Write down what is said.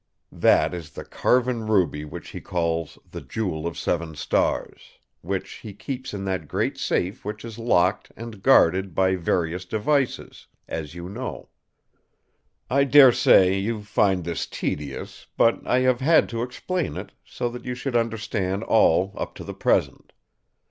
That is the carven ruby which he calls the 'Jewel of Seven Stars', which he keeps in that great safe which is locked and guarded by various devices, as you know. "I dare say you find this tedious; but I have had to explain it, so that you should understand all up to the present.